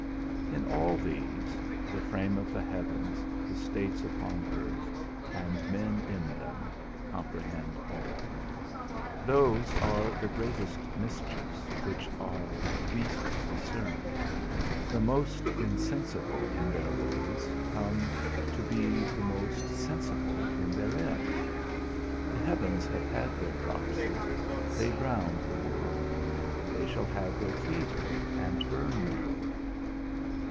In all these (the frame of the heavens, the states upon earth, and men in them, comprehend all), those are the greatest mischiefs which are least discerned; the most insensible in their ways come to be the most sensible in their ends. The heavens have had their dropsy, they drowned the world; and they shall have their fever, and burn the world.